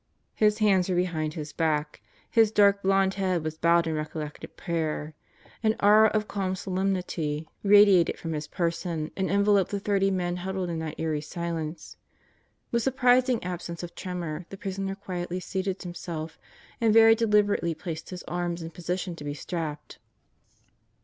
His hands were behind his back. His dark blonde head was bowed in recollected prayer. An aura of ralni solemnity 202 God Goes to Murderers Row radiated from his person and enveloped the thirty men huddled in that eerie silence. With surprising absence of tremor the prisoner quietly seated himself and very deliberately placed his arms in position to be strapped.